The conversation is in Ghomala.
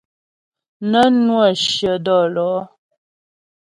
Nə́ nwə́ shyə dɔ́lɔ̌.